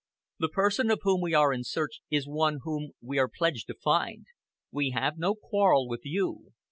The person of whom we are in search is one whom we are pledged to find. We have no quarrel with you!